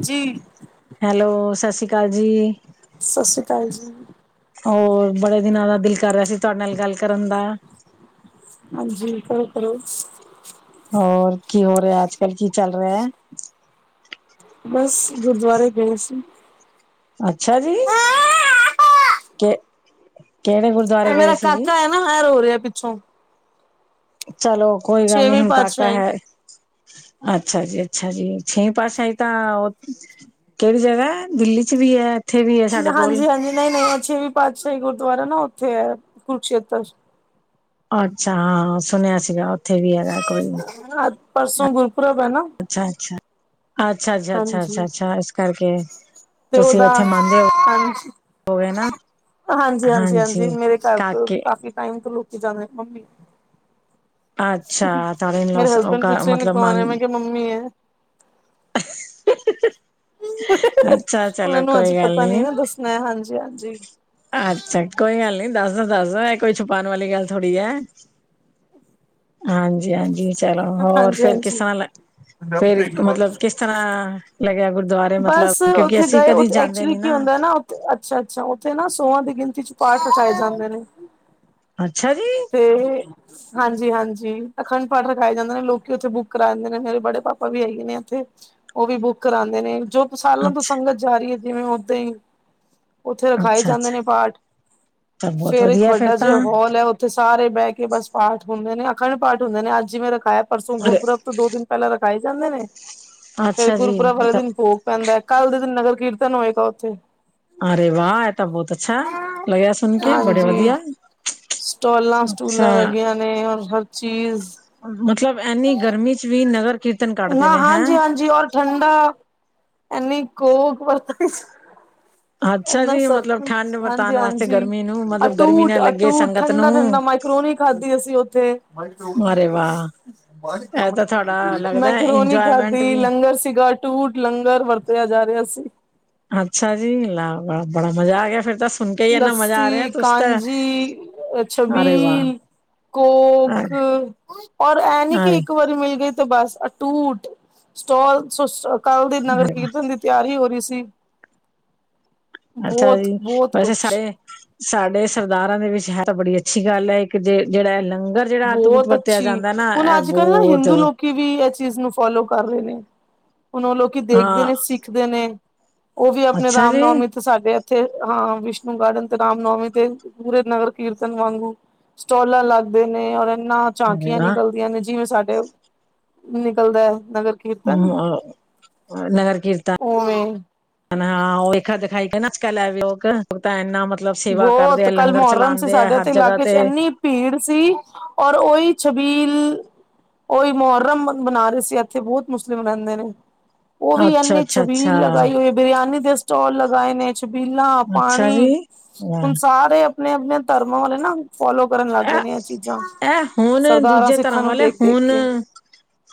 ਜੀ। ਹੈਲੋ, ਸਤਿ ਸ਼੍ਰੀ ਅਕਾਲ ਜੀ। ਸਤਿ ਸ੍ਰੀ ਅਕਾਲ ਜੀ। ਹੋਰ ਬੜੇ ਦਿਨਾਂ ਦਾ ਦਿਲ ਕਰ ਰੇਆ ਸੀ ਤਾਡੇ ਨਾਲ ਗੱਲ ਕਰਨ ਦਾ। ਹਾਂਜੀ, ਕਰੋ ਕਰੋ। ਹੋਰ ਕੀ ਹੋ ਰੇਆ ਅੱਜ-ਕੱਲ੍ਹ ਕੀ ਚੱਲ ਰੇਆ ਐ। ਬਸ ਗੁਰਦੁਆਰੇ ਗਏ ਸੀ। ਅੱਛਾ ਜੀ ਕੇ ਕਿਹੜੇ ਕੁ ਮੇਰਾ ਕਾਕਾ ਹੈ ਨਾ ਰੋ ਹੋ ਰਿਹਾ ਪਿੱਛੋਂ ਚਲੋ ਕੋਈ ਗੱਲ ਨਹੀਂ ਛੇਵੀਂ ਹੁਣ ਕਾਕਾ ਪਾਤਸ਼ਾਹੀ ਹੈ। ਅੱਛਾ ਜੀ ਅੱਛਾ ਜੀ ਛੇ ਪਾਸ਼ਾਹੀ ਤਾਂ, ਕਿਹੜੀ ਜਗ੍ਹਾ ਦਿੱਲੀ ਚ ਵੀ ਹੈ। ਇੱਥੇ ਵੀ ਹੈ ਸਾਡੇ ਕੋਲ ਹਾਂਜੀ, ਹਾਂਜੀ ਨਹੀਂ ਨਵਾਂ ਛੇਵੀਂ ਪਾਤਸ਼ਾਹੀ ਗੁਰਦੁਆਰਾ ਨਾ ਉੱਥੇ ਹੈ ਕੁਰਕਸ਼ੇਤਰ ਅੱਛਾ ਹਾਂ ਸੁਣਿਆ ਸੀਗਾ ਉੱਥੇ ਵੀ ਹੈਗਾ ਕੋਈ ਨੀ, ਪਰਸੋਂ ਗੁਰਪੁਰਬ ਹੈ ਨਾ, ਅੱਛਾ, ਅੱਛਾ, ਅੱਛਾ, ਅੱਛਾ, ਅੱਛਾ, ਹਾਂਜੀ ਅੱਛਾ, ਅੱਛਾ ਇਸ ਕਰਕੇ, ਤੇ ਤੁਸੀਂ ਉਹਦਾ ਉੱਥੇ ਮੰਨਦੇ ਹੋ ਹਾਂਜੀ, ਹੋਗੇ ਨਾ ਹਾਂਜੀ ਹਾਂਜੀ ਹਾਂਜੀ ਮੇਰੇ ਘਰ ਤੋਂ ਕਾਫ਼ੀ ਟਾਈਮ ਤੋਂ ਲੋਕੀ ਜਾਂਦੇ ਮੰਮੀ। ਅੱਛਾ ਤੁਹਾਡੇ ਮੇਰੇ ਉਹ ਹਸਬੈਂਡ ਘਰ ਪੁੱਛੇ ਨੇ ਮਤਲਬ ਕੌਣ ਮਨ ਹੈ ਮੈਂ ਕਿਹਾ ਮੰਮੀ ਹੈ। ਅੱਛਾ ਚਲੋ ਉਹਨਾਂ ਨੂੰ ਅੱਜ ਕੋਈ ਗੱਲ ਪਤਾ ਨੀ ਨਾ ਦੱਸਣਾ ਹਾਂਜੀ ਹਾਂਜੀ। ਅੱਛਾ ਕੋਈ ਗੱਲ ਨੀ ਦੱਸ ਦੱਸ ਦ ਇਹ ਕੋਈ ਛੁਪਾਉਣ ਵਾਲੀ ਗੱਲ ਥੋੜੀ ਹੈ। ਹਾਂਜੀ, ਹਾਂਜੀ ਚਲੋ ਹੋਰ ਹਾਂਜੀ ਫੇਰ ਕਿਸ ਹਾਂਜੀ ਤਰ੍ਹਾਂ ਫੇਰ ਮਤਲਬ ਕਿਸ ਇਸ ਤਰ੍ਹਾਂ ਲੱਗਿਆ ਗੁਰਦੁਆਰੇ ਮਤਲਬ ਬਸ ਕਿਉਂਕਿ ਉੱਥੇ ਅਸੀਂ ਗਏ ਕਦੇ ਉੱਥੇ ਜਾਂਦੇ ਐਕਚੁਲੀ ਨੀ ਕੀ ਨਾ ਹੁੰਦਾ ਅੱਛਾ ਅੱਛਾ ਉੱਥੇ ਨਾ ਸੋਹਾਂ ਦੀ ਗਿਣਤੀ ਚ ਪਾਠ ਰਖਾਏ ਜਾਂਦੇ ਨੇ। ਅੱਛਾ ਜੀ। ਤੇ ਹਾਂਜੀ ਹਾਂਜੀ ਅਖੰਡ ਪਾਠ ਰਖਾਏ ਜਾਂਦੇ ਨੇ ਲੋਕੀ ਉੱਥੇ ਬੁੱਕ ਕਰਾ ਦਿੰਦੇ ਨੇ ਮੇਰੇ ਬੜੇ ਪਾਪਾ ਵੀ ਹੈਗੇ ਨੇ ਇੱਥੇ। ਉਹ ਵੀ ਬੁੱਕ ਕਰਾਉਂਦੇ ਨੇ ਜੋ ਸਾਲਾਂ ਤੋਂ ਅੱਛਾ ਸੰਗਤ ਜਾ ਰਹੀ ਹੈ ਜਿਵੇਂ ਓਦਾਂ ਹੀ ਉੱਥੇ ਰਖਾਏ ਅੱਛਾ ਜਾਂਦੇ ਅੱਛਾ ਨੇ ਪਾਠ ਤਾਂ ਬਹੁਤ ਫੇਰ ਇੱਕ ਵਧੀਆ ਵੱਡਾ ਜਿ ਤਾਂ ਹੋਲ ਹੈ। ਤੇ ਸਾਰੇ ਬਹਿ ਕੇ ਬਸ ਪਾਠ ਹੁੰਦੇ ਨੇ ਅਖੰਡ ਪਾਠ ਹੁੰਦੇ ਨੇ ਅੱਜ ਹੀ ਮੈਂ ਰਖਾਇਆ ਪਰਸੋਂ ਅਰੇ ਗੁਰਪੁਰਬ ਤੋਂ ਦੋ ਦਿਨ ਪਹਿਲਾਂ ਰਖਾਏ ਜਾਂਦੇ ਨੇ ਫੇਰ ਅੱਛਾ ਜੀ ਗੁਰਪੁਰਾ ਵਾਲੇ ਦਿਨ ਭੋਗ ਪੈਂਦਾ ਹੈ ਕੱਲ੍ਹ ਦੇ ਦਿਨ ਨਗਰ ਕੀਰਤਨ ਹੋਏਗਾ ਉੱਥੇ, ਅਰੇ ਵਾਹ ਐ ਤਾਂ ਬਹੁਤ ਅੱਛਾ ਲੱਗਿਆ ਸੁਣ ਕੇ ਬੜੇ ਹਾਂਜੀ ਵਧੀਆ, ਸਟੋਲਾਂ ਅੱਛਾ ਸਟੂਲਾਂ ਲੱਗੀਆਂ ਨੇ ਰ ਹਰ ਚੀਜ਼ ਮਤਲਬ ਇੰਨੀ ਗਰਮੀ ਚ ਵੀ ਨਗਰ ਕੀਰਤਨ ਨਾ ਕੱਢਦੇ ਨੇ ਹੈਂ ਹਾਂਜੀ ਹਾਂਜੀ ਔਰ ਠੰਡਾ ਇਨੀ ਕੋਕ ਵਰਤਦੀ। ਅੱਛਾ ਇਨਾ ਜੀ ਸਭ ਮਤਲਬ ਕੁਛ ਠੰਡ ਹਾਂਜੀ ਵਰਤਾਉਣ ਵਾਸਤੇ ਹਾਂਜੀ ਗਰਮੀ ਨੂੰ ਮਤਲਬ ਗਰਮੀ ਨਾ ਅਟੂਟ ਲੱਗੇ ਅਟੂਟ ਸੰਗਤ ਨੂੰ ਠੰਡਾ ਠੰਡਾ ਮਾਈ ਕਰੋਣੀ ਖਾਧੀ ਅਸੀਂ ਉੱਥੇ ਅਰੇ ਵਾਹ ਇਹ ਤਾਂ ਤੁਹਾਡਾ ਮੈਂ ਲੱਗਦਾ ਮਕਰੋਣੀ ਇੰਜੋਏਮੈਂਟ ਖਾਧੀ ਵੀ ਲੰਗਰ ਸੀਗਾ ਅਟੂਟ ਲੰਗਰ ਵਰਤਿਆ ਜਾ ਰਿਹਾ ਸੀ। ਅੱਛਾ ਜੀ ਲਾਵਾ ਬੜਾ ਮਜਾ ਆ ਗਿਆ ਫਿਰ ਦੱਸ ਲੱਸੀ ਕਾਂਜੀ ਅ ਅਰੇ ਛਬੀਲ। ਵਾਹ ਕੋਕ। ਔਰ ਇਹ ਨੀ ਕਿ ਅਰੇ ਇੱਕ ਵਾਰੀ ਮਿਲ ਗਈ ਤੇ ਬਸ ਅਟੂਟ ਸਟੋਲ ਕੱਲ੍ਹ ਦੀ ਨਗਰ ਅਰੇ ਵਾਹ ਕੀਰਤਨ ਦੀ ਤਿਆਰੀ ਹੋ ਰਹੀ ਸੀ। ਅੱਛਾ ਬਹੁਤ ਜੀ ਬਹੁਤ ਵੈਸੇ ਕੁਛ ਸਾਰੇ। ਸਾਡੇ ਸਰਦਾਰਾਂ ਦੇ ਵਿੱਚ ਹੈ ਤਾਂ ਬੜੀ ਅੱਛੀ ਗੱਲ ਹੈ ਇੱਕ ਜੇ ਜਿਹੜਾ ਹੈ ਲੰਗਰ ਜਿਹੜਾ ਟੂਟ ਬਹੁਤ ਵਰਤਿਆ ਅੱਛੀ ਜਾਂਦਾ ਨਾ ਹੁਣ ਇਹ ਅੱਜ ਕੱਲ੍ਹ ਨਾ ਬਹੁਤ ਹਿੰਦੂ ਲੋਕ ਲੋਕ ਵੀ ਇਹ ਚੀਜ਼ ਨੂੰ ਫੋਲੋ ਕਰ ਰਹੇ ਨੇ ਹੁਣ ਉਹ ਲੋਕੀ ਦੇਖਦੇ ਹਾਂ ਨੇ ਸਿੱਖਦੇ ਨੇ ਉਹ ਵੀ ਆਪਣੇ ਅੱਛਾ ਰਾਮ ਜੀ ਨੌਮੀ ਤੇ ਸਾਡੇ ਇੱਥੇ ਹਾਂ ਵਿਸ਼ਨੂੰ ਗਾਰਡਨ ਤੇ ਰਾਮ ਨੌਮੀ ਤੇ ਪੂਰੇ ਨਗਰ ਕੀਰਤਨ ਵਾਂਗੂ ਸਟੋਲਾਂ ਲੱਗ ਦੇ ਨੇ ਔਰ ਇਨਾ ਅਰੇ ਝਾਕੀਆਂ ਵਾਹ ਨਿਕਲਦੀਆਂ ਨੇ ਜਿਵੇਂ ਸਾਡੇ, ਨਿਕਲਦਾ ਨਗਰ ਕੀਰਤਨ ਹੂੰ, ਨਗਰ ਕੀਰਤਨ ਉਵੇਂ ਹਨ ਹਾਂ ਉਹ ਲੇਖਾ ਦਿਖਾਈ ਕੇ ਨਾਚ ਲੈ ਵੀ ਉਹ ਤਾਂ ਇੰਨਾ ਮਤ ਬਹੁਤ ਕੱਲ ਮੁਹਰਮ ਸੀ ਸਾਡੇ ਇਥੇ ਜਗ੍ਹਾ ਇਲਾਕੇ 'ਚ ਤੇ ਇੰਨੀ ਭੀੜ ਸੀ, ਔਰ ਉਹੀ ਛਬੀਲ ਉਹੀ ਮੁਹਰਮ ਬਨਾ ਰਹੇ ਸੀ ਇੱਥੇ ਬਹੁਤ ਮੁਸਲਿਮ ਰਹਿੰਦੇ ਨੇ। ਉਹ ਵੀ ਅੱਛਾ ਇਨੇ ਅੱਛਾ ਅੱਛਾ ਛਬੀਲ ਲਗਾਈ ਹੋਈ ਬਰਿਆਨੀ ਦੇ ਸਟਾਲ ਲਗਾਏ ਨੇ ਛਬੀਲਾਂ, ਅੱਛਾ ਜੀ ਪਾਣੀ ਵਾਹ ਹੁਣ ਸਾਰੇ ਆਪਣੇ-ਆਪਣੇ ਧਰਮਾਂ ਵਾਲੇ ਨਾ ਫੋਲੋ ਕਰਨ ਲੱਗ ਗਏ ਨੇ ਆ ਚੀਜ਼ਾਂ, ਇਹ ਇਹ ਹੁਣ ਸਰਦਾਰਾਂ ਦੂਜੇ ਸਿੱਖਾਂ ਧਰਮ ਨੂੰ ਵਾਲੇ ਦੇਖ-ਦੇਖ ਹੁਣ ਕੇ।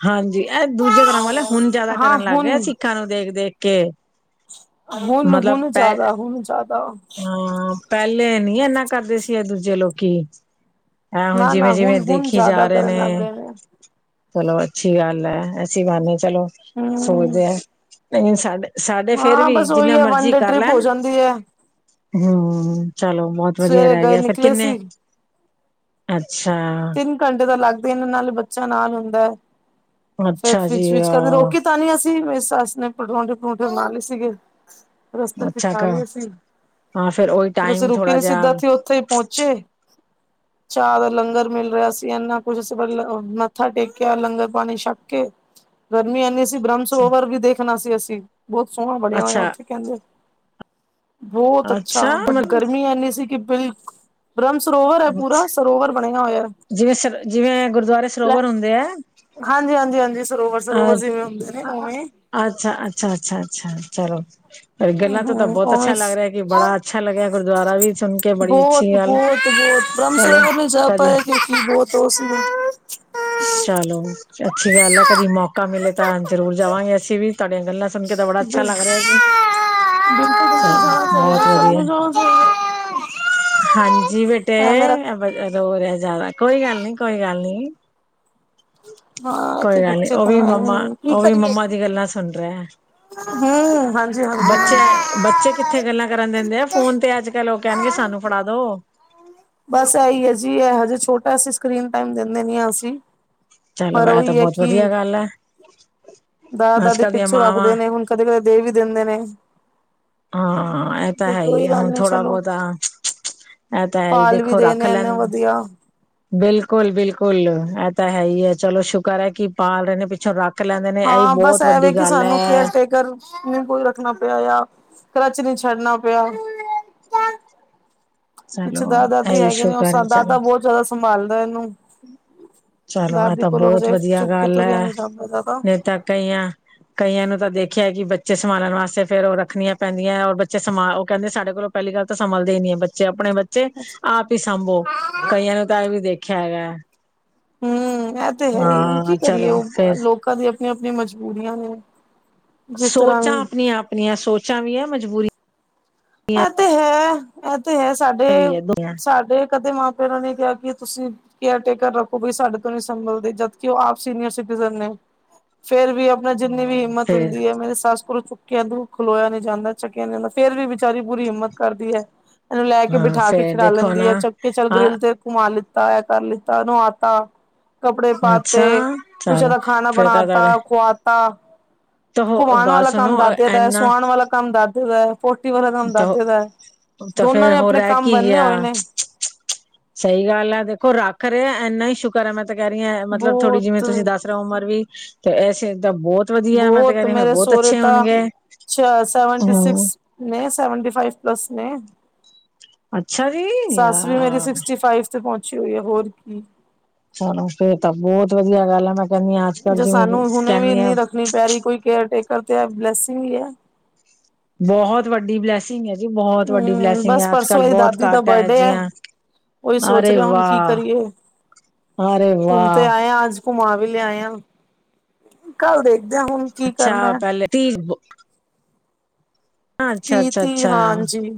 ਹਾਂਜੀ ਇਹ ਦੂਜੇ ਤਰ੍ਹਾਂ ਵਾਲੇ ਹੁਣ ਜਿਆਦਾ ਹਾਂ ਕਰਨ ਲੱਗ ਗਿਆ ਹੁਣ ਸਿੱਖਾਂ ਨੂੰ ਦੇਖ-ਦੇਖ ਕੇ। ਹੁਣ ਹੁਣ ਜ਼ਿਆਦਾ ਹੁਣ ਜ਼ਿਆਦਾ। ਹਾਂ ਪਹਿਲੇ ਨੀ ਇਨਾ ਕਰਦੇ ਸੀ ਇਹ ਦੂਜੇ ਲੋਕੀ। ਹੈਂ ਹੁਣ ਨਾ ਨਾ ਜਿਵੇਂ-ਜਿਵੇਂ ਹੁਣ ਦੇਖੀ ਜਾ ਜ਼ਿਆਦਾ ਰਹੇ ਕਰਨ ਲੱਗ ਨੇ ਗਏ ਚਲੋ ਅੱਛੀ ਗੱਲ ਹੈ ਅਸੀਂ ਬੇ ਚਲੋ, ਹਮ ਸੋਚਦੇ ਆ, ਨਹੀਂ ਸਾਡੇ ਸਾਡੇ ਫੇਰ ਵੀ ਜਿੰਨਾ ਮਰਜ਼ੀ ਕਰ ਲੈਣ ਹੁੰਦੀ ਆ। ਹੂੰ ਚਲੋ ਬਹੁਤ ਵਧੀਆ ਸਵੇਰੇ ਰਹਿ ਗਏ ਗਿਆ ਫੇਰ ਨਿਕਲੇ ਕਿੰਨੇ ਸੀ ਅੱਛਾ ਤਿੰਨ ਘੰਟੇ ਦਾ ਲੱਗਦੇ ਨੇ ਨਾਲੇ ਬੱਚਾ ਨਾਲ ਹੁੰਦਾ। ਫੇਰ ਅੱਛਾ ਜੀ ਫਿਜ ਫਿਜ ਕਰਨ ਅ ਰੋਕੀ ਤਾਂ ਨਹੀਂ ਅਸੀਂ ਮੇਰੀ ਸੱਸ ਨੇ ਪਰੌਠੇ ਪਰੋਠੇ ਬਣਾ ਲਏ ਸੀਗੇ। ਰਸਤੇ 'ਚ ਅੱਛਾ ਖਾ ਕ ਲਏ ਅਸੀ। ਹਾਂ ਫੇਰ ਉਹੀ ਫਿਰ ਅਸੀਂ ਟਾਈਮ ਰੁਕੇ ਥੋੜਾ ਨਹੀਂ ਜਿਹਾ ਸਿੱਧਾ ਅਸੀ ਉੱਥੇ ਹੀ ਪਹੁੰਚੇ। ਚਾਹ ਦਾ ਲੰਗਰ ਮਿਲ ਰਿਹਾ ਸੀ ਇੰਨਾ ਕੁਛ ਅਸੀਂ ਮੱਥਾ ਟੇਕਿਆ ਲੰਗਰ ਪਾਣੀ ਛੱਕ ਕੇ ਗਰਮੀ ਇੰਨੀ ਸੀ ਬ੍ਰਹਮ ਸਰੋਵਰ ਵੀ ਦੇਖਣਾ ਸੀ ਅਸੀਂ, ਬਹੁਤ ਸੋਹਣਾ ਬਣਿਆ ਹੋਇਆ ਅੱਛਾ ਉੱਥੇ ਕਹਿੰਦੇ। ਬਹੁਤ ਅੱਛਾ ਬਟ ਗਰਮੀ ਐਨੀ ਸੀ ਕਿ ਬਿਲ, ਬਰਮ ਸਰੋਵਰ ਹੈ ਮਤਲਬ ਪੂਰਾ ਸਰੋਵਰ ਆਪਣੇ ਨਾ ਹੋਇਆ। ਜਿਵੇਂ ਸਰ ਜਿਵੇਂ ਗੁਰਦੁਆਰੇ ਸਰੋਵਰ ਹੁੰਦੇ ਐ। ਹਾਂਜੀ ਹਾਂਜੀ ਹਾਂਜੀ ਸਰੋਵਰ ਅ ਸਰੋਵਰ ਜਿਵੇਂ ਹੁੰਦੇ ਨੇ ਉਵੇਂ ਅੱਛਾ, ਅੱਛਾ ਅੱਛਾ ਅੱਛਾ ਚਲੋ। ਪਰ ਗੱਲਾਂ ਤੋਂ ਤਾਂ ਹਮ ਬਹੁਤ ਅੱਛਾ ਲੱਗ ਰਿਹਾ ਕਿ ਉਵੇਂ ਬੜਾ ਅੱਛਾ ਲੱਗਿਆ ਗੁਰਦੁਆਰਾ ਵੀ ਸੁਣ ਕੇ ਬੜੀ ਅੱਛੀ ਗੱਲ ਚਲੋ ਬ੍ਰਹਮਸਗਰ ਨੀ ਜਾ ਕਦੀ ਪਾਏ ਕਿਉਂਕਿ ਬਹੁਤ ਉਹ ਸੀ। ਚਲੋ ਅੱਛੀ ਗੱਲ ਐ ਕਦੀ ਮੌਕਾ ਮਿਲੇ ਤਾਂ ਜ਼ਰੂਰ ਜਾਵਾਂਗੇ ਅਸੀਂ ਵੀ ਤੁਹਾਡੀਆਂ ਗੱਲਾਂ ਸੁਣ ਕੇ ਤਾਂ ਬੜਾ ਅੱਛਾ ਲੱਗ ਰਿਹਾ ਜੀ। ਚੱਲ ਚਾਹੀਦਾ ਬਹੁਤ ਸਭ ਵਧੀਆ। ਨੂੰ ਜਾਣਾ ਹਾਂਜੀ ਬੇਟੇ ਚਾਹੀਦਾ ਐ ਮੇਰਾ ਰੋ ਰਿਹਾ ਜਿਆਦਾ ਕੋਈ ਗੱਲ ਨੀ ਕੋਈ ਗੱਲ ਨੀ। ਹਾਂ ਇਥੇ ਕੋਈ ਗੱਲ ਨੀ ਬੱਚੇ ਉਹ ਤਾਂ ਵੀ ਹੈ ਮੰਮਾ, ਕੀ ਉਹ ਵੀ ਕਰੀਏ ਮੰਮਾ ਦੀ ਦੀ ਗੱਲਾਂ ਸੁਣ ਰਿਹਾ। ਹੂੰ ਹਾਂਜੀ ਹਾਂਜੀ ਬੱਚਾ, ਬਚ ਬੱਚੇ ਕਿੱਥੇ ਗੱਲਾਂ ਹਾਂਜੀ ਕਰਨ ਦਿੰਦੇ ਆ ਫੋਨ ਤੇ ਅੱਜਕੱਲ੍ਹ ਉਹ ਕਹਿਣਗੇ ਸਾਨੂੰ ਫੜਾ ਦੋ। ਬਸ ਇਹੀ ਹੈ ਜੀ ਇਹ ਹਜੇ ਛੋਟਾ ਅਸੀ ਸਕਰੀਨ ਟੈਮ ਦਿੰਦੇ ਨੀ ਅਸੀਂ। ਚਲੋ ਪਰ ਇਹ ਤਾਂ ਉਹੀ ਹੈ ਬਹੁਤ ਕਿ, ਵਧੀਆ ਗੱਲ ਹੈ ਅੱਜ ਦਾਦਾ-ਦਾਦੀ ਕੱਲ ਦੀਆਂ ਪਿੱਛੋਂ ਮਾਵਾਂ ਆਖਦੇ ਨੇ ਹੁਣ ਕਦੇ-ਕਦੇ ਦੇ ਵੀ ਦਿੰਦੇ ਨੇ। ਹਾਂ ਇਹ ਤਾਂ ਤੇ ਹੈ ਹੀ ਕੋਈ ਆ ਗੱਲ ਹੁਣ ਨੀ ਥੋੜਾ ਚਲੋ ਬਹੁਤਾ ਐ ਤਾਂ ਹੈ ਈ ਇਹ ਪਾਲ ਵੀ ਦੇਖੋ ਰਹੇ ਰਖ ਨੇ ਲ ਇੰਨੇ ਵਧੀਆ ਬਿਲਕੁਲ ਬਿਲਕੁਲ, ਐ ਤਾਂ ਹੈ ਹੀ ਏ ਚਲੋ ਸ਼ੁਕਰ ਐ ਕਿ ਪਾਾਲ ਰਹੇ ਨੇ ਪਿੱਛੋਂ ਰੱਖ ਲੈਂਦੇ ਨੇ ਇਹੀ ਹਾਂ ਬਸ ਬਹੁਤ ਐ ਵੇ ਵੱਡੀ ਕਿ ਗੱਲ ਸਾਨੂੰ ਹੈ ਕੇਅਰ ਟੇਕਰ ਨਹੀਂ ਕੋਈ ਰੱਖਣਾ ਪਿਆ ਆ, ਕਲੱਚ ਨਹੀਂ ਛੱਡਣਾ ਪਿਆ। ਪਿੱਛੇ ਚਲੋ ਦਾਦਾ ਦਾਦੀ ਇਹੀ ਹੈਗੇ ਨੇ, ਸ਼ੁਕਰ ਉਹ ਦਾਦਾ ਬਹੁਤ ਜ਼ਿਆਦਾ ਸੰਭਾਲਦਾ ਇਹਨੂੰ। ਹਮ। ਚਲੋ ਆ ਦਾਦੀ ਤਾਂ ਕੋਲੋਂ ਬਹੁਤ ਹਜੇ ਵਧੀਆ ਚੁੱਕ ਕੇ ਗੱਲ ਤੁਰਿਆ ਐ, ਨੀ ਜਾਂਦਾ ਦਾਦਾ ਨਹੀਂ ਤਾਂ ਕਈਆਂ ਕਈਆਂ ਨੂੰ ਤਾਂ ਦੇਖਿਆ ਕਿ ਬੱਚੇ ਸੰਭਾਲਣ ਵਾਸਤੇ, ਫੇਰ ਉਹ ਰੱਖਣੀਆਂ ਪੈਂਦੀਆਂ ਔਰ ਬੱਚੇ ਸਮਾਂ ਉਹ ਕਹਿੰਦੇ ਸਾਡੇ ਕੋਲੋਂ ਪਹਿਲੀ ਗੱਲ ਤਾਂ ਸੰਭਲਦੇ ਹੀ ਨੀ ਆ ਬੱਚੇ, ਆਪਣੇ ਬੱਚੇ ਤੇ ਆਪ ਹੀ ਸਾਂਭੋ, ਕਈਆਂ ਨੂੰ ਤਾਂ ਐ ਵੀ ਦੇਖਿਆ ਹੈਗਾ। ਹੂੰ ਐ ਤੇ ਹੈ ਹੀ ਐ, ਹਾਂ ਕੀ ਕਰੀਏ ਚਲੋ ਉਹ ਫੇਰ ਲੋਕਾਂ ਦੀਆਂ ਆਪਣੀਆਂ ਆਪਣੀਆਂ ਮਜਬੂਰੀਆਂ ਨੇ। ਜਿਸ ਤਰ੍ਹਾਂ ਸੋਚਾਂ ਵੀ ਆਪਣੀਆਂ ਆਪਣੀਆਂ ਸੋਚਾਂ ਵੀ ਆ, ਮਜਬੂਰੀ ਐ ਤੇ ਹੈ ਐ ਤੇ ਹੈ, ਸਾਡੇ ਵੀ ਹੈ ਦੋਵੇਂ ਹੈ। ਸਾਡੇ ਕਦੇ ਮਾਂ ਫਿਰ ਉਹ ਨੇ ਕਿਆ ਕਿ ਤੁਸੀਂ ਕੇਅਰ ਟੇਕਰ ਰੱਖੋ ਬਈ ਸਾਡੇ ਤੋਂ ਨੀ ਸੰਭਲਦੇ, ਜਦਕਿ ਉਹ ਆਪ ਸੀਨੀਅਰ ਸਿਟੀਜਨ ਨੇ, ਫਿਰ ਵੀ ਮੇਰੇ ਕੋਲ ਜਿੰਨੀ ਵੀ ਹਾਂ ਹਿੰਮਤ ਫੇਰ ਹੁੰਦੀ ਐ, ਮੇਰੀ ਸੱਸ ਕੋਲ ਚੁੱਕਿਆ ਖਲੋਇਆ ਨੀ ਜਾਂਦਾ, ਚੱਕਿਆ ਨੀ ਜਾਂਦਾ ਫਿਰ ਵੀ ਵਿਚਾਰੀ ਪੂਰੀ ਹਿੰਮਤ ਕਰਦੀ ਐ, ਇਹਨੂੰ ਲੈ ਕੇ ਹਾਂ ਬਿਠਾ ਕੇ ਫੇਰ ਖਿਡਾ ਦੇਖੋ ਲੈਂਦੀ ਨਾ ਐ, ਚੱਕ ਕੇ ਚੱਲ ਆ ਗਰਿਲ ਤੇ ਘੁੰਮਾ ਲਿੱਤਾ, ਐ ਕਰ ਲਿੱਤਾ, ਇਹਨੂੰ ਆਦਤ ਆ। ਕੱਪੜੇ ਅੱਛਾ ਪਾਤੇ, ਕੁਛ ਚਲੋ ਇਹਦਾ ਖਾਣਾ ਫੇਰ ਤਾਂ ਤੁਹਾਡੇ ਬਣਾਤਾ, ਖੁਆਤਾ। ਤਾਂ ਘੁਮਾਉਣ ਗੱਲ ਵਾਲਾ ਸੁਣੋ ਕੰਮ ਦਾਦੇ ਦਾ, ਇਨਾ ਸੁਆਉਣ ਵਾਲਾ ਕੰਮ ਦਾਦੇ ਦਾ। [inaudible] ਵਾਲਾ ਕੰਮ ਦਾਦੇ ਦਾ, ਤਾਂ ਦੋਨਾਂ ਫੇਰ ਨੇ ਹੋਰ ਆਪਣੇ ਰਹਿ ਕੰਮ ਕੀ ਬੰਨੇ ਗਿਆ ਹੋਏ ਨੇ। ਸਹੀ ਗੱਲ ਐ, ਦੇਖੋ ਰੱਖ ਰਹੇ ਐਨਾ ਹੀ ਸ਼ੁਕਰ ਐ, ਮੈਂ ਤਾਂ ਕਹਿ ਰਹੀ ਆ ਮਤਲਬ ਥੋੜ੍ਹੀ ਜਿਵੇਂ ਬਹੁਤ ਤੁਸੀਂ ਦੱਸ ਉਮਰ ਵੀ ਤੇ ਐਸੇ ਤਾਂ ਬਹੁਤ ਵਧੀਆ ਹੈ। ਮੈਂ ਤਾਂ ਕਹਿ ਬਹੁਤ ਰਹੀ ਹਾਂ ਫਿਰ ਮੇਰੇ ਬਹੁਤ ਸਹੁਰੇ ਅੱਛੇ ਤਾਂ ਹੋਣਗੇ ਸੈਵਨਟੀ ਹਮ ਸਿਕਸ ਨਹੀਂ ਸੈਵਨਟੀ ਫਾਈਵ ਪਲੱਸ ਨੇ। ਅੱਛਾ ਜੀ ਸੱਸ ਵੀ ਮੇਰੀ ਲਾ ਸਿਕਸਟੀ ਫਾਈਵ ਤੇ ਪਹੁੰਚੀ ਹੋਈ ਐ ਹੋਰ ਕੀ। ਚਲੋ ਫੇਰ ਤਾਂ ਬਹੁਤ ਵਧੀਆ ਗੱਲ ਆ ਮੈਂ ਕਹਿੰਦੀ ਹਾਂ ਅੱਜ ਕੱਲ ਜੇ ਜਿਵੇਂ ਸਾਨੂੰ ਹੁਣੇ ਵੀ ਕਹਿੰਦੀ ਆ ਨੀ ਰੱਖਣੀ ਪੈ ਰਹੀ ਕੋਈ ਕੇਅਰ ਟੇਕਰ ਤੇ ਐ ਬਲੈਸਿੰਗ ਹੀ ਐ। ਬਹੁਤ ਵੱਡੀ ਬਲੈਸਿੰਗ ਐ, ਜੀ ਬਹੁਤ ਵੱਡੀ ਹਮ ਬਲੈਸਿੰਗ ਬਸ ਆ। ਅੱਜ ਪਰਸੋਂ ਕੱਲ ਇਹਦੀ ਬਹੁਤ ਦਾਦੀ ਦਾ ਘੱਟ ਆ ਐਹੋ ਬਰਡੇ ਹੈ ਜਿਹੀਆਂ ਉਹੀ ਸੋਚ ਅਰੇ ਰਹੇ ਹੁਣ ਕੀ ਵਾਹ! ਕਰੀਏ ਅਰੇ ਵਾਹ! ਘੁੰਮਾ ਵੀ ਲਿਆਏ ਆ ਕੱਲ ਦੇਖਦੇ ਆ ਹੁਣ ਕੀ ਕਰਨਾ। [unintelligible] ਅ ਅੱਛਾ ਤੀਹ ਤੀਹ ਅੱਛਾ। ਹਾਂਜੀ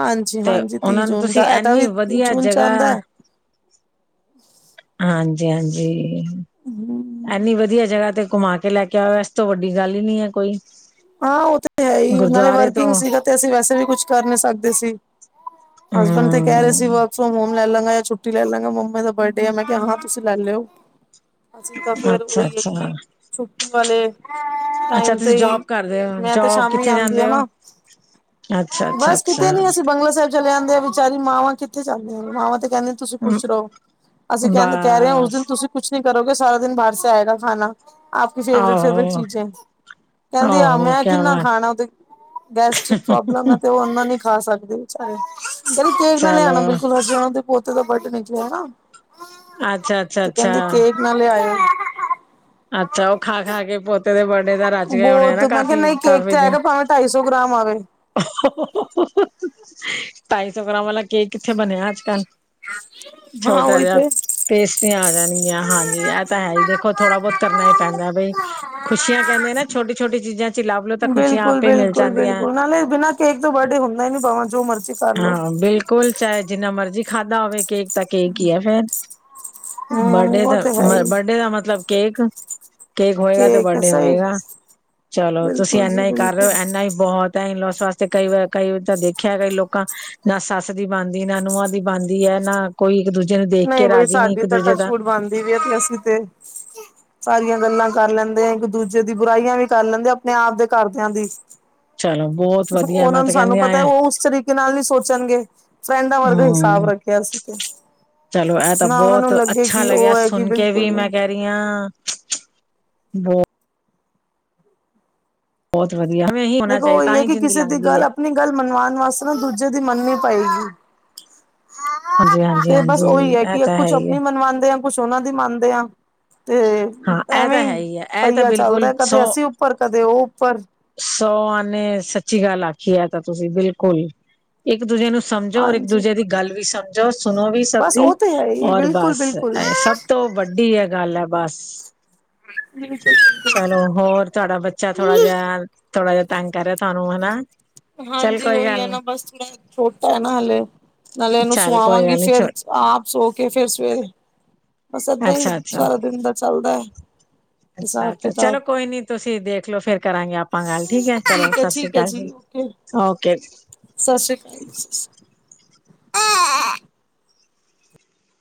ਹਾਂਜੀ ਤੇ ਹਾਂਜੀ ਤੀਹ ਉਹਨਾਂ ਨੂੰ ਜੂਨ ਤੁਸੀਂ ਦਾ ਇਹਦਾ ਐਨੀ ਵੀ ਵਧੀਆ ਜੂਨ ਚ ਜਗ੍ਹਾ ਆਉਂਦਾ ਹੈ ਹਾਂਜੀ ਹਾਂਜੀ। ਐਨੀ ਵਧੀਆ ਜਗ੍ਹਾ ਤੇ ਘੁੰਮਾ ਕੇ ਲੈ ਕੇ ਆਓ ਇਸ ਤੋਂ ਵੱਡੀ ਗੱਲ ਹੀ ਨਹੀਂ ਐ ਕੋਈ। ਹਾਂ ਉਹ ਤੇ ਹੈ ਹੀ, ਨਾਲੇ ਗੁਰਦੁਆਰੇ ਵਰਕਿੰਗ ਤੋਂ ਸੀਗਾ ਤੇ ਅਸੀਂ ਵੈਸੇ ਵੀ ਕੁਛ ਕਰ ਨੀ ਸਕਦੇ ਸੀ। ਹਸਬੈਂਡ ਤੇ ਕਹਿ ਰਹੇ ਹਮ ਸੀ ਵਰਕ ਫਰੋਮ ਹੋਮ ਲੈ ਲਾਗਾ ਜਾਂ ਛੁੱਟੀ ਲੈ ਲਾਗਾ ਮੰਮੇ ਦਾ ਬਰਡੇ ਆ, ਮੈਂ ਕਿਹਾ ਹਾਂ ਤੁਸੀਂ ਲੈ ਲਿਓ। ਅਸੀਂ ਤਾਂ ਫੇਰ ਅੱਛਾ ਉਹੀ ਐ ਅੱਛਾ ਕਿ ਛੁੱਟੀ ਵਾਲੇ ਅੱਛਾ ਟਾਈਮ ਤੁਸੀਂ ਤੇ ਹੀ ਜੋਬ ਕਰਦੇ ਹੋ ਮੈਂ ਤੇ ਜੋਬ ਸ਼ਾਮੀ ਕਿੱਥੇ ਆਂਦੀ ਆ ਜਾਂਦੇ ਹੋ ਨਾ, ਅੱਛਾ ਅੱਛਾ ਬਸ ਕਿਤੇ ਅੱਛਾ ਨੀ ਅਸੀਂ ਬੰਗਲਾ ਸਾਹਿਬ ਚਲੇ ਜਾਂਦੇ ਆ, ਵਿਚਾਰੀ ਮਾਵਾਂ ਕਿੱਥੇ ਜਾਂਦੀਆਂ ਨੇ ਮਾਵਾਂ ਤੇ ਕਹਿੰਦੀ ਤੁਸੀਂ ਖੁਸ਼ ਰਹੋ, ਅਸੀਂ ਕਹਿੰ ਕਹਿ ਰਹੇ ਆ ਉਸ ਬਸ ਦਿਨ ਤੁਸੀਂ ਕੁਛ ਨੀ ਕਰੋਗੇ ਸਾਰਾ ਦਿਨ ਬਾਹਰ ਸੇ ਆਏਗਾ ਖਾਣਾ। ਆਪਕੀ ਫੇਵਰੇਟ ਫੇਵਰੇਟ ਆਹੋ ਚੀਜੇ, ਕਹਿੰਦੀ ਆ ਓਹੋ ਮੈਂ ਕਿਆ ਕਿੰਨਾ ਬਾਤ ਖਾਣਾ ਉਹ ਤੇ ਗੈਸਟ੍ਰਿਕ ਪ੍ਰੋਬਲਮ ਐ ਤੇ ਉਹ ਓਨਾ ਨੀ ਖਾ ਸਕਦੇ ਵੀਚਾਰੇ, ਕਹਿੰਦੇ ਕੇਕ ਨਾ ਚਲੋ ਲਿਆਉਣਾ ਬਿਲ ਤਰਲੋਚਨ ਸੋਹੰ ਦੇ ਪੋਤੇ ਦਾ ਬਾਡੇ ਨਿਕਲਿਆ ਨਾ। ਅੱਛਾ ਅੱਛਾ ਅੱਛਾ ਨਾਲ ਲੇ ਆਇ ਅੱਛਾ ਉਹ ਖਾ ਖਾ ਕੇ ਪੋਤੇ ਦੇ ਬਰਡੇ ਦਾ ਰਜ ਗਏ ਹੋਣੇ ਬਹੁਤ ਆ ਮੈਂ ਕਿਹਾ ਕਾਫੀ ਨਹੀਂ ਕੇਕ ਕਾਫੀ ਤੇ ਦਿਨ ਆਏਗਾ ਭਾਵੇਂ ਢਾਈ ਸੌ ਗ੍ਰਾਮ ਆ ਗਏ ਢਾਈ ਸੌ ਗ੍ਰਾਮ ਵਾਲਾ ਕੇਕ ਕਿੱਥੇ ਬਣਿਆ ਅੱਜ ਕੱਲ [inaudible] ਹਾਂ ਛੋਟਾ ਉਹੀ ਜਿਹਾ ਤੇ। ਪੇਸਟਿਆਂ ਆ ਜਾਣਗੀਆਂ ਹਾਂਜੀ ਇਹ ਤਾਂ ਹੈ ਈ ਦੇਖੋ ਥੋੜਾ ਬਹੁਤ ਕਰਨਾ ਹੀ ਪੈਂਦਾ ਬਈ ਖੁਸ਼ੀਆਂ ਕਹਿੰਦੇ ਨੇ ਨਾ ਛੋਟੀ ਛੋਟੀ ਚੀਜ਼ਾਂ ਚ ਲੱਭ ਲੋ ਤਾਂ ਖੁਸ਼ੀਆਂ ਬਿਲਕੁਲ ਆਪੇ ਹੀ ਮਿਲ ਬਿਲਕੁਲ ਜਾਂਦੀਆਂ [unintelligible] ਕੇਕ ਤੋਂ ਵਰਡੇ ਹੁੰਦਾ ਨੀ ਪਾਵਾਂ ਜੋ ਮਰਜੀ ਹਾਂ ਬਿਲਕੁਲ ਚਾਹੇ ਜਿੰਨਾ ਮਰਜੀ ਖਾਧਾ ਹੋਵੇ ਕੇਕ ਤਾਂ ਕੇਕ ਹੀ ਆ ਫੇਰ ਹਮ ਬਰਡੇ ਉਹ ਤੇ ਹੈ ਹੀ ਦਾ ਮਤਲਬ ਕੇਕ ਕੇਕ ਹੋਏਗਾ ਤੇ ਕੇਕ ਬਰਡੇ ਸਹੀ ਹੋਏਗਾ ਚਲੋ ਤੁਸੀਂ ਬਿਲਕੁਲ ਏਨਾ ਜੀ ਹੀ ਕਰ ਰਹੇ ਬਿਲਕੁਲ ਹੋ ਏਨਾ ਈ ਬਹੁਤ ਤਾਂ ਇਨ ਲੋਸ ਵਾਸਤੇ ਕਈ ਵ ਕਈ ਤਾਂ ਦੇਖਿਆ ਕਈ ਲੋਕ ਨਾ ਸੱਸ ਦੀ ਬਣਦੀ ਨਾ ਨੂੰਹਾਂ ਦੀ ਬਣਦੀ ਹੈ ਨਾ ਕੋਈ ਇੱਕ ਦੂਜੇ ਨੂੰ ਦੇਖ ਨਹੀਂ ਕੇ ਬਈ ਰਾਜੀ ਨੀ ਸਾਡੀ ਇੱਕ ਤਾਂ ਦੂਜੇ ਟੱਚ ਦਾ ਵੁਡ ਬਣਦੀ ਵੀ ਹੈ ਤੇ ਅਸੀਂ ਤੇ [inaudible] ਸਾਰੀਆਂ ਗੱਲਾਂ ਕਰ ਲੈਂਦੇ ਆ ਇੱਕ ਦੂਜੇ ਦੀ ਬੁਰਾਈਆਂ ਵੀ ਕਰ ਲੈਂਦੇ ਆਪਣੇ ਆਪ ਦੇ ਘਰਦਿਆਂ ਦੀ ਚਲੋ ਬਹੁਤ ਵਧੀਆ ਮੈਂ ਉਹਨਾਂ ਨੂੰ ਤੇ ਕਹਿੰਦੀ ਸਾਨੂੰ ਆ ਪਤਾ ਉਹ ਉਸ ਤਰੀਕੇ ਨਾਲ ਨੀ ਸੋਚਣਗੇ ਫਰੈਂਡਾਂ ਵਰਗਾ ਹਿਸਾਬ ਹਮ ਰੱਖਿਆ ਅਸੀਂ ਤੇ ਚਲੋ ਇਹ ਤਾਂ ਨਾ ਉਹਨਾਂ ਬਹੁਤ ਨੂੰ ਲੱਗੇ ਅੱਛਾ ਕਿ ਲਗਿਆ ਉਹ ਹੈ ਕਿ ਸੁਣ ਕੇ ਵੀ ਮੈਂ ਬਿਲਕੁਲ ਕਹਿ [unintelligible] ਬਹੁਤ ਵਧੀਆ ਵੇ ਇਹੀ ਹੋਣਾ ਦੇਖੋ ਚਾਹੀਦਾ ਉਹੀ ਤਾਂ ਹੈ ਹੀ ਕਿ ਜ਼ਿੰਦੀ ਕਿਸੇ ਦੀ ਲੰਘਦੀ ਗੱਲ ਐ ਆਪਣੀ ਗੱਲ ਮਨਵਾਉਣ ਵਾਸਤੇ ਨਾ ਦੂਜੇ ਦੀ ਮੰਨਨੀ ਪਏਗੀ ਹਾਂਜੀ ਹਾਂਜੀ ਤੇ ਬਸ ਹਾਂਜੀ ਓਹੀ ਹੈ ਇਹ ਕਿ ਤਾਂ ਕੁਛ ਹੀ ਹੈ ਆਪਣੀ ਮਨਵਾਉਂਦੇ ਆ ਕੁਛ ਉਹਨਾਂ ਦੀ ਮੰਨਦੇ ਆ ਤੇ ਹਾਂ ਇਹ ਤਾਂ ਐਵੇਂ ਈ ਹੈ ਹੀ ਹੈ ਇਹ ਤਾਂ ਪਹੀਆ ਬਿਲਕੁਲ ਚੱਲਦਾ ਕਦੇ ਸੌ ਅਸੀਂ ਉੱਪਰ ਕਦੇ ਉਹ ਉੱਪਰ ਸੌ ਆਨੇ ਸੱਚੀ ਗੱਲ ਆਖੀ ਹੈ ਤਾਂ ਤੁਸੀਂ ਬਿਲਕੁਲ ਇੱਕ ਦੂਜੇ ਨੂੰ ਸਮਝੋ ਔਰ ਇੱਕ ਹਾਂਜੀ ਦੂਜੇ ਦੀ ਗੱਲ ਵੀ ਸਮਝੋ ਜੋ ਸੁਣੋ ਵੀ ਸਭ ਬਸ ਦੀ ਉਹ ਤੇ ਹੈ ਹੀ ਔਰ ਬਿਲਕੁਲ ਬਸ ਬਿਲਕੁਲ ਸਭ ਤੋਂ ਵੱਡੀ ਇਹ ਗੱਲ ਐ ਬਸ [unintelligible] ਹੇਲੋ ਹੋਰ ਤੁਹਾਡਾ ਬੱਚਾ ਥੋੜਾ ਜਿਹਾ ਥੋੜਾ ਜਿਹਾ ਤੰਗ ਕਰ ਰਿਹਾ ਤੁਹਾਨੂੰ ਹੈਨਾ ਹਾਂਜੀ ਉਹੀ ਹੈ ਨਾ ਬਸ ਥੋੜਾ ਛੋਟਾ ਹੈ ਨਾ ਹਲੇ ਨਾਲੇ ਇਹਨੂੰ ਚੱਲ ਕੋਈ ਸੁਵਾਵਾਂਗੀ ਗੱਲ ਨੀ ਫੇਰ ਛੋੜ ਆਪ ਸੋ ਕੇ ਫੇਰ ਸਵੇਰੇ ਬਸ ਏਦਾਂ ਹੀ ਅੱਛਾ ਅੱਛਾ। ਸਾਰਾ ਦਿਨ ਦਾ ਚੱਲਦਾ ਹੈ ਅੱਛਾ ਹਿਸਾਬ ਅਛਾ ਕਿਤਾਬ ਚਲੋ ਕੋਈ ਨੀ ਤੁਸੀਂ ਦੇਖਲੋ ਫੇਰ ਕਰਾਂਗੇ ਆਪਾਂ ਗੱਲ ਠੀਕ ਹੈ ਚਲੋ ਸਤਿ ਸ੍ਰੀ ਅਕਾਲ ਜੀ ਓਕੇ ਸਤਿ ਸ੍ਰੀ ਅਕਾਲ